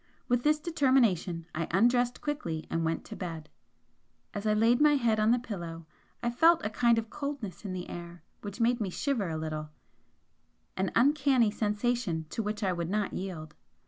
With this determination I undressed quickly and went to bed. As I laid my head on the pillow I felt a kind of coldness in the air which made me shiver a little an 'uncanny' sensation to which I would not yield.